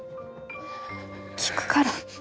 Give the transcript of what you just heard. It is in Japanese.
聞くから。